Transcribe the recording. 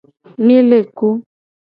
Mi le ku.